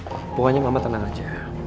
pokoknya mama tenang aja